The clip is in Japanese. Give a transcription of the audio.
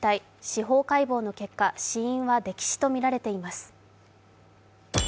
司法解剖の結果、死因は溺死とみられています。